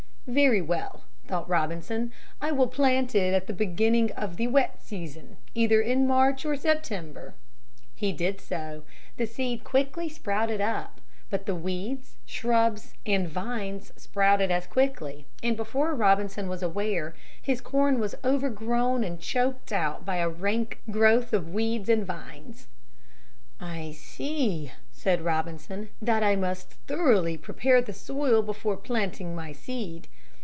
"Very well," thought Robinson, "I will plant it at the beginning of the wet season, either in March or September." He did so; the seed quickly sprouted up. But the weeds, shrubs, and vines sprouted as quickly, and before Robinson was aware, his corn was overgrown and choked out by a rank growth of weeds and vines. "I see," said Robinson, "that I must thoroughly prepare the soil before planting my seed."